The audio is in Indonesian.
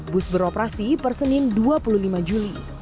bus beroperasi persening dua puluh lima juli